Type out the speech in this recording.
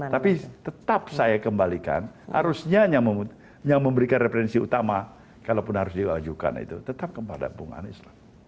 tapi tetap saya kembalikan harusnya yang memberikan referensi utama kalaupun harus diajukan itu tetap kepada bung anies lah